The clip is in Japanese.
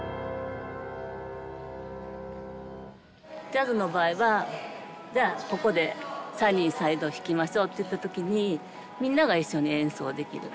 ジャズの場合はじゃあここで「サニー・サイド」を弾きましょうっていった時にみんなが一緒に演奏できる。